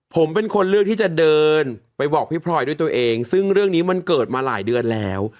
ผมเป็นคนเลือกที่จะเดินไปบอกพี่พลอยด้วยตัวเองซึ่งเรื่องนี้มันเกิดมาหลายเดือนแล้ว